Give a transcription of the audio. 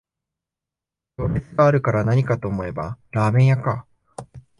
行列があるからなにかと思えばラーメン屋か